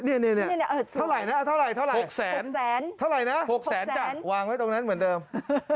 นี่เสอคุณคุณทำวางไว้ตรงนั้นเหมือนเดิมฝันโตไปเดิม